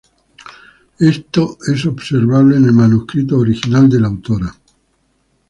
Esto es observable en el manuscrito original de la autora.